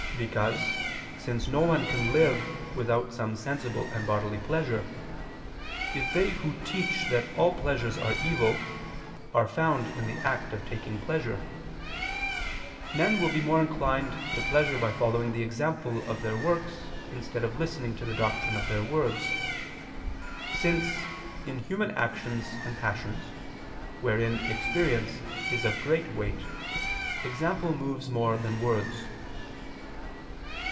Because, since none can live without some sensible and bodily pleasure, if they who teach that all pleasures are evil, are found in the act of taking pleasure; men will be more inclined to pleasure by following the example of their works instead of listening to the doctrine of their words: since, in human actions and passions, wherein experience is of great weight, example moves more than words.